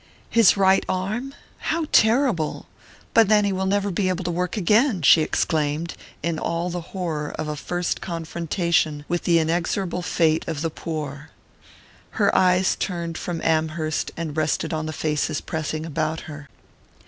"His right arm? How terrible! But then he will never be able to work again!" she exclaimed, in all the horror of a first confrontation with the inexorable fate of the poor. Her eyes turned from Amherst and rested on the faces pressing about her.